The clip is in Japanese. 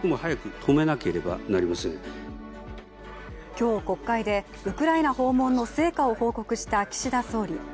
今日、国会でウクライナ訪問の成果を報告した岸田総理。